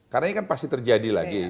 karena ini kan pasti terjadi lagi